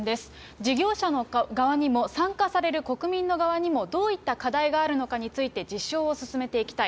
事業者の参加される国民の側にもどういった課題があるのかについて、実証を進めていきたい。